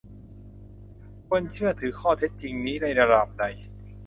ควรเชื่อถือข้อเท็จจริงนี้ในระดับใด